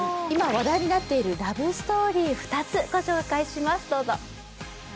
今話題になっているラブストーリー２つ御紹介します。